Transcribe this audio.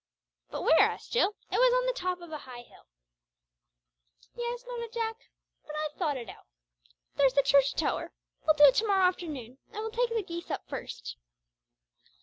"But where?" asked Jill. "It was on the top of a high hill." "Yes," nodded Jack; "but I've thought it out. There's the church tower. We'll do it to morrow afternoon, and we'll take the geese up first."